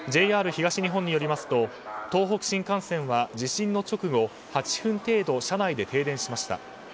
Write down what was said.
ＪＲ東日本によりますと東北新幹線は地震の直後８分程度、車内で停電しました。